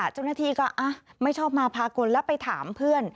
เจ้าหน้าที่ก็ไม่ชอบมาพากลแล้วไปถามเพื่อน